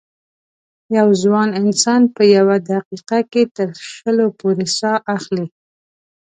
یو ځوان انسان په یوه دقیقه کې تر شلو پورې سا اخلي.